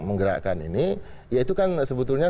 menggerakkan ini ya itu kan sebetulnya